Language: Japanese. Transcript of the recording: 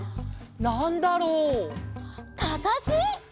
「なんだろう」「かかし！」